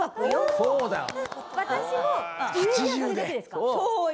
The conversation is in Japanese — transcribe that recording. そうだね